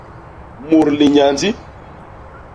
Mut linyandi.